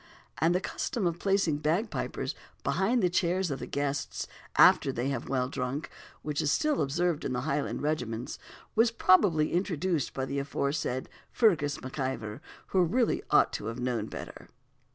And the custom of placing bagpipers behind the chairs of the guests, after they have well drunk, which is still observed in Highland regiments, was probably introduced by the aforesaid Fergus MacIvor, who really ought to have known better.